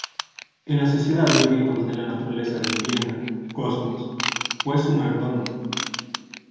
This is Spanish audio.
En la Sociedad de Amigos de la Naturaleza de Viena "Cosmos", fue su mayordomo.